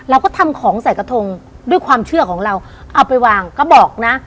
เราก็ทำของใส่กระทงด้วยความเชื่อของเราเอาไปวางก็บอกนะ